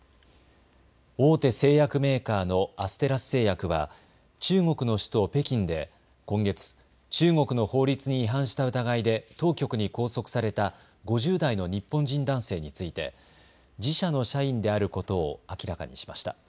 大手製薬メーカーのアステラス製薬は中国の首都北京で今月、中国の法律に違反した疑いで当局に拘束された５０代の日本人男性について自社の社員であることを明らかにしました。